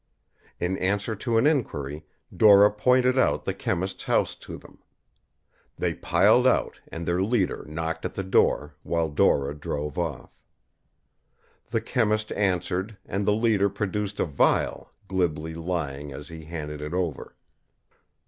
In answer to an inquiry, Dora pointed out the chemist's house to them. They piled out, and their leader knocked at the door, while Dora drove off. The chemist answered, and the leader produced a vial, glibly lying as he handed it over.